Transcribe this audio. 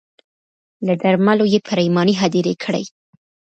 له درملو یې پرېماني هدیرې کړې